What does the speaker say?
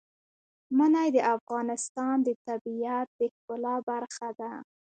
منی د افغانستان د طبیعت د ښکلا برخه ده.